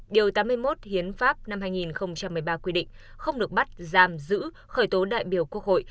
điều tám mươi một hiến pháp năm hai nghìn một mươi ba quy định không được bắt giam giữ khởi tố đại biểu quốc hội